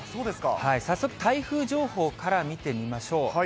早速、台風情報から見てみましょう。